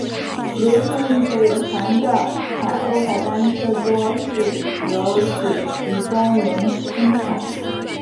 流行于北韩的海鸥牌单车多是由此集中营生产。